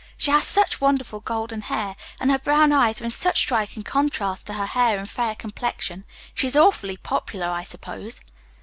She has such wonderful golden hair, and her brown eyes are in such striking contrast to her hair and fair complexion. She is awfully popular, I suppose."